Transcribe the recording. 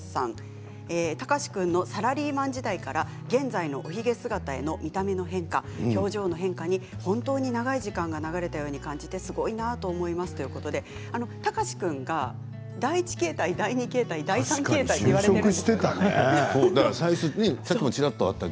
貴司君のサラリーマン時代から現在のおひげ姿の見た目の変化、表情の変化に本当に長い時間が流れた感じですごいなと思います、ということで貴司君が第１形態第２形態、第３形態と言われていると。